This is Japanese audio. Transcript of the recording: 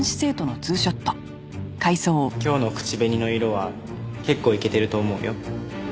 今日の口紅の色は結構イケてると思うよ。